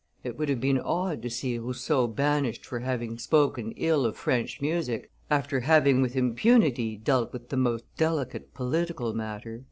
It would have been odd to see Rousseau banished for having spoken ill of French music, after having with impunity dealt with the most delicate political matter."